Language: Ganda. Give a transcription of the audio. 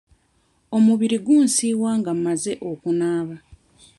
Omubiri gunsiiwa nga mmaze okunaaba.